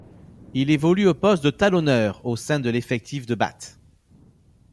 Il évolue au poste de talonneur au sein de l'effectif de Bath.